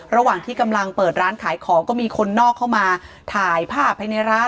ระหว่างที่กำลังเปิดร้านขายของก็มีคนนอกเข้ามาถ่ายภาพภายในร้าน